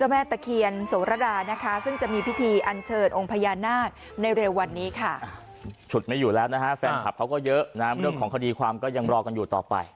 ขุดไม่อยู่แล้วนะฮะแฟนคลับเขาก็เยอะนะเรื่องของคดีความก็ยังรอกันอยู่ต่อไป